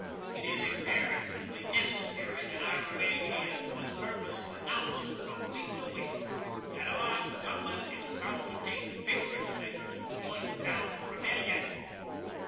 It is imperatively necessary that I remain here for the purpose of announcin', from week to week, that OUR GOV'MENT IS ABOUT TO TAKE VIGOROUS MEASURES TO PUT DOWN THE REBELLION!"